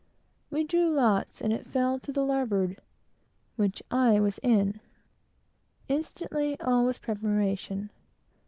We drew lots, and it fell to the larboard, which I was in. Instantly all was preparation.